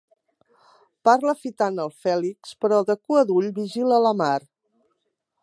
Parla fitant el Fèlix, però de cua d'ull vigila la Mar.